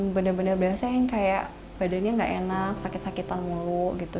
benda benda biasa yang kayak badannya nggak enak sakit sakitan mulu gitu